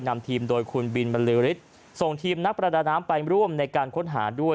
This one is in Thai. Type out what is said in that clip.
นำทีมโดยคุณบินบรรลือฤทธิ์ส่งทีมนักประดาน้ำไปร่วมในการค้นหาด้วย